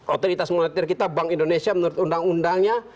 otoritas moneter kita bank indonesia menurut undang undangnya